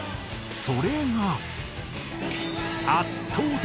それが。